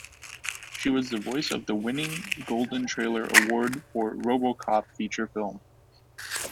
She was the voice of the winning Golden Trailer award for RoboCop feature film.